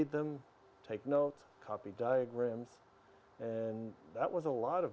dan aktivitas yang saya lakukan